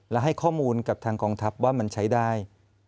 และให้ข้อมูลกับทางกองทัพว่ามันใช้ได้